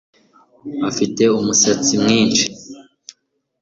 Afite umusatsi mwinshi